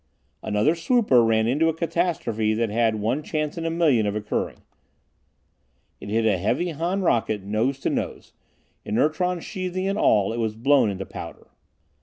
Another swooper ran into a catastrophe that had one chance in a million of occurring. It hit a heavy Han rocket nose to nose. Inertron sheathing and all, it was blown into powder.